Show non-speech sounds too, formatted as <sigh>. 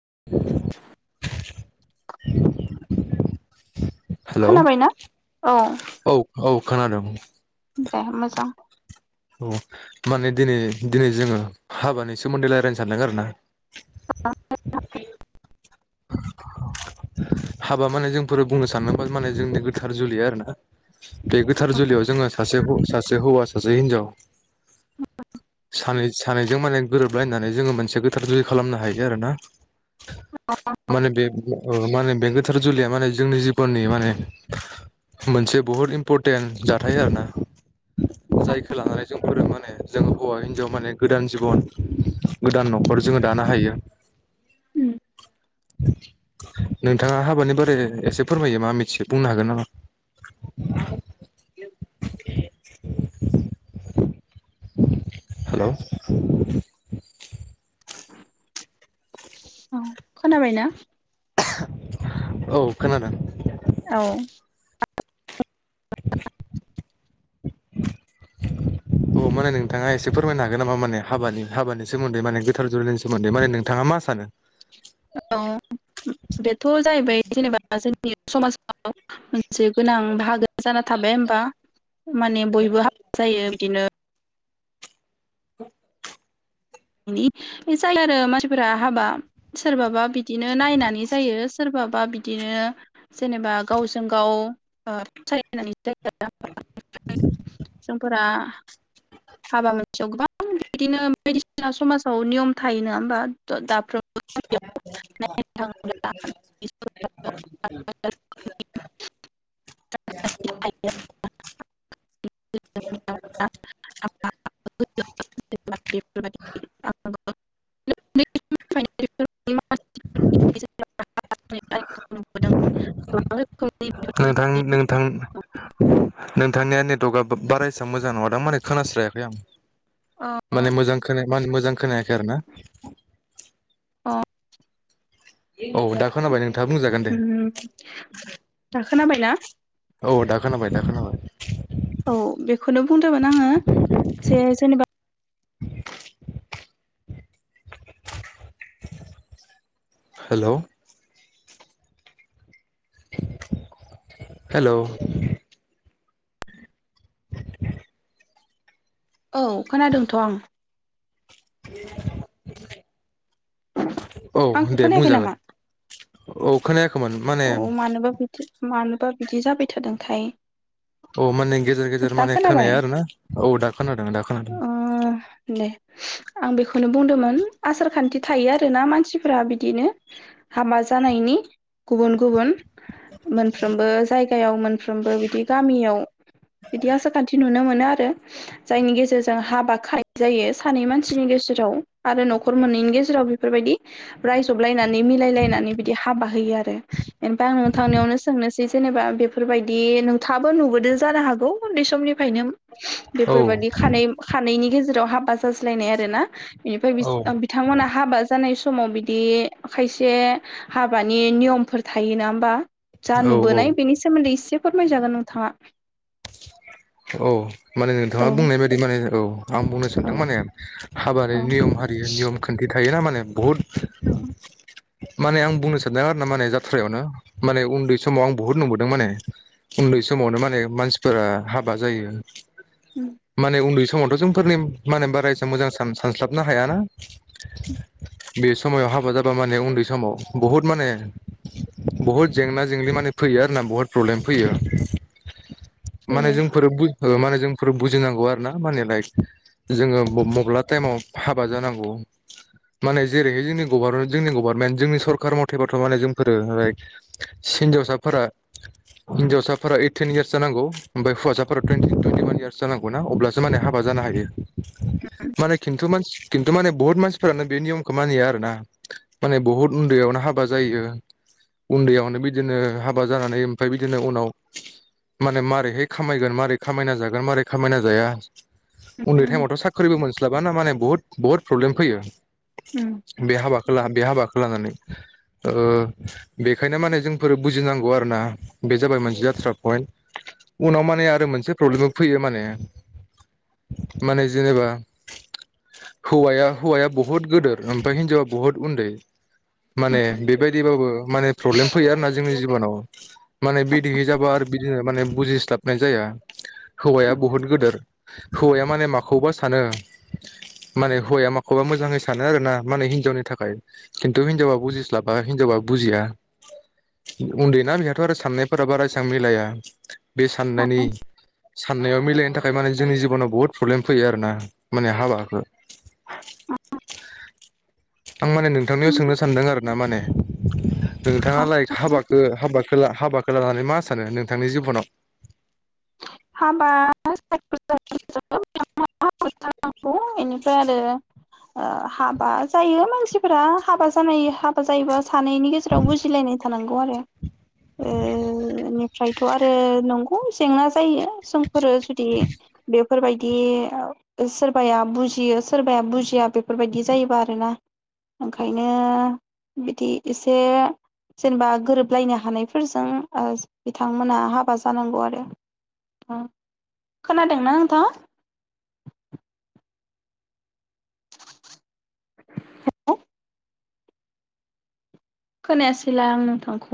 <inaudible> Hello खोनाबायना औ औ औ खानादों दे मोजां औ माने दिनै दिनै जोङो हाबानि सोमोन्दै रायलायनो सानदों आरो ना <unintelligible> <inaudible> हाबा माने जोंफोरो बुंनो सानोबा माने जोंनि गोथार जुलि आरोना बे गोथार जुलियाव जोङो सासे ह सासे हौवा सासे हिनजाव सानै सानैजों माने गोरोबलायनानै जोङो मोनसे गोथार जुलि खालामनो हायो आरो ना माने बे ओ माने बे गोथार जुलिया माने जोंनि जिबोन बेयो माने मोनसे बुहुत इम्परटेन्ट जाथाय आरोना जायखौ लानानै जोंफोरो माने जों हौवा हिन्जाव माने गोदान जिबन गोदान नखर जोङो दानो हायो। ओम नोंथाङा हाबानि बारै एसे फोरमायो मा मिथियो बुंनो हागोन नामा? हेल औ खोनाबायना? औ खोनादों। औ अ माने नोंथाङा एसे फोरमायनो हागोन नामा माने हाबानि हाबानि सोमोन्दै माने गोथार जुलिनि सोमोन्दै माने नोंथाङा मा सानो? औ बेथ जाहैबाय जेनेबा जोंनि समाजाव मोनसे गोनां बाहागो जाना थाबाय होमबा माने बयबो हाब जायो बिदिनो <inaudible> इनि जायो आरो मानसिफोरा हाबा सोरबाबा बि बिदिनो नायनानै जायो सोरबा बा बिदिनो जेनेबा गावजों गाव ओ <unintelligible> सायनानै <unintelligible> जों फोरा हाबा मोनसेयाव गोबां बिदिनो बायदिस सिना समाजाव नियम थायो नङा होनबा थ दाफ्रोम <unintelligible> <inaudible> <unintelligible> <unintelligible> नोंथां नोंथां नोंथांनिया नेटवर्कआ बा-बारा एसां मोजां नङा दां माने खोनास्रायाखै आं माने मोजां खोनाया मा‌ होनो मोजां खोनायाखै आरो ना <inaudible> अ औ दा खोनाबायने नो ओम दा खोनाबायना? औ दा खोनाबाय दा खोनाबाय बुंदोमोन आङो जे जेनेबा हेल हेलोव <inaudible> औ खोनादोंथ आं <inaudible> औ आंखौ दे बुंजागोन औ खोनाया औ मानोबा बिदि मानोबा बिदि जाबाय थादोंथाय औ माने गेजेर गेजेर दा माने खोनाबाय खोनाया आरो ना औ दा खोनादों दा खोनादों ओ दे आं बेखौनो बुंदोंमोन आसार खान्थि थायो आरोना मानसिफोरा बिदिनो हाबा जानायनि गुबुन गुबुन मोनफ्रोमबो जायगायाव मोनफ्रोमबो बिदि गामियाव बिदि आसार खान्थि नुनो मोनो आरो जायनि गेजेरजों हाबा खानाय जायो सानै मानसिनि गेजेराव आरो नखर मोननैनि गेजेराव बे फोरबायदि रायजबलायनानै मिलायलायनानै बिदि हाबा होयो आरो <inaudible> ओमफाय आं नोंथांनियावनो सोंनोसै जेनेबा बेफोरबायदि नोंथाङाबो नुबोदों जानो हागौ उन्दै समनिफ्रायनो औ बेफोरबादि खानै खानैनि गेजेराव हाबा बा जाज्लायनाय आरो ना औ बेनिफ्राय बिथांमोना हाबा जानाय समाव बिदि खायसे हाबानि नियम फोर थायो ना होमबा जा औ औ नुबोनाय बेनि सोमोन्दै एसे फोरमायजागोन नोंथाङा औ माने औ नोंथाङा बुंनाय बायदि माने औ आं बुंनो औ सानदों माने हाबानि औ नियम हारि नियम खान्थि थायो ना माने बहुद औ माने आं बुंनो सानदों आरो ना माने जात्रायावनो माने उन्दै समाव आं बुहुद नुबोदों माने उन्दै समावनो माने मानसि फोर हाबा जायो माने उन्दै स समावथ जोंफोरनि माने बारा एसां मोजां सान सानस्लाबनो हायाना बे समाव हाबा जाबा माने उन्दै समाव बुहुद माने बुहुत जेंना जेंलि माने फैयो आरो ना बुहुत प्रब्लेम फैयो। माने फैयो जोंफोरो माने जोंफोर बुजिनांगौ आरो ना माने लाइक जोङो मब्ला टाइमाव हाबा जानांगौ माने जेरैहाय जोंनि गभारमेन्ट जोंनि गभारमेन्ट जोंनि सरखार मावथेबाथ माने जोंफोरो लाइक हिन्जावसाफोरा हिन्जावसाफोरा ओइटिन इयार्स जानांगौ ओमफ्राय हौवासाफोरा टुन्टि टुन्टिवान इयार्स जानांगौ ना अब्लासो माने हाबा जानो हायो माने खिन्थु मानसि खिन्थु माने बुहुत मानसिफ्रानो बे नियमखौ मानिया आरोना माने बुहुत उन्दैयावनो हाबा जायो उन्दैयावनो बिदिनो हाबा जानानै ओमफ्राय बिदिनो उनाव माने मारै है खामायगोन मारै खामायना जागोन मारै खामायना जाया उन्दै टाइमावथ साख्रिबो मोन स्ला म्लाबा ना माने बहुत बहुत प्रब्लेम फैयो। बे हाबा <unintelligible> बे हाबाखौ लानानै ओ बेखायनो माने जोंफोर बुजिनांगौ आरोना बे जाबाय मोनसे जाथ्रा पएन्ट। उनाव माने आरो मोनसे प्रब्लेम फैयो माने माने जेनेबा हौवाया हौवाया बहुत गोदोर ओमफ्राय हिनजावा बुहुत उन्दै माने बेबायदिबाबो माने प्रब्लेम फैयो आरोना जोंनि जिबनाव माने बिदिहैजाबा आरो बिदिनो माने बुजिस थाबनाय जाया। हौवाया बहुत गोदोर हौवाया माने माखौबा सानो माने हौवाया माखौबा मोजाङै सानो आरोना माने हिनजावनि थाखाय खिन्थु हिनजावा बुजिस्लाबा हिनजावा बुजिया उन्दैना बेहाथ आरो साननायफोरा बारा एसां मिलाया। बे साननायनि साननाया मिलायिनि थाखाय माने जोंनि जिबनाव बुहुद प्रब्लेम फैयो आरोना माने हाबाखौ आं माने नोंथांनियाव सोंनो सानदों आरो ना माने <inaudible> नोंथाङालायक हाबाखो हाबाख खोला हाबाखौ लानानै मा सानो नोंथांनि जिबनाव? हाबा <inaudible> <inaudible> <inaudible> गौ इनिफ्राय आरो ओ हाबा जायो मानसिफोरा हाबा जानाय हाबा जायोबा सानैनि गेजेराव बुजिलायनाय थानांगौ आरो ओ इनिफ्रायथ आरो नंगौ जेंना जा जायो सं फोरो जुदि बेफ बेफोरबायदि सोरबाया बुजियो सोरबाया बुजिया बेफोरबायदि जायोबा आरोना ओंखायनो बिदि एसे जेनेबा गोरोबलायनो हानायफोरजों ओ बिथांमोना हाबा जानांगौ आरो। ओ खोनादोंना नोंथाङा? हेलौ खोनायासैला आं नोंथांखौ।